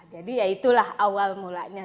jadi ya itulah awal mulanya